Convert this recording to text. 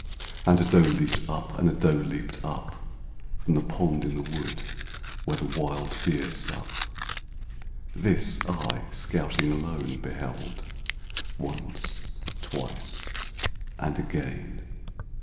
And a doe leaped up, and a doe leaped up From the pond in the wood where the wild deer sup. This I, scouting alone, beheld, Once, twice and again!